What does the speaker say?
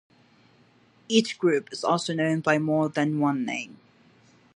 Each group is also known by more than one name.